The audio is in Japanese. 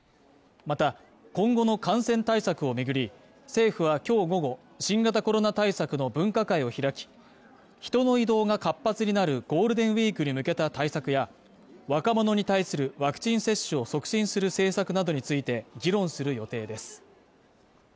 また今後の感染対策をめぐり政府は今日午後、新型コロナ対策の分科会を開き人の移動が活発になるゴールデンウイークに向けた対策や若者に対するワクチン接種を促進する政策などについて議論する予定です